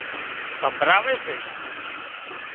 سمڀراوي سي